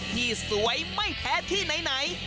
ที่สวยไม่แพ้ที่ไหน